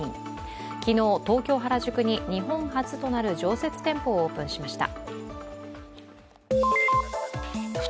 昨日、東京・原宿に日本初となる常設店舗をオープンしました。